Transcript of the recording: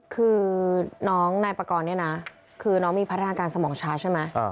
คือน้องนายปากรเนี่ยนะคือน้องมีพัฒนาการสมองช้าใช่ไหม